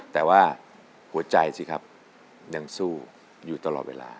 แต่ว่าหัวใจสิครับยังสู้อยู่ตลอดเวลา